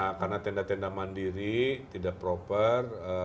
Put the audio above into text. karena tenda tenda mandiri tidak proper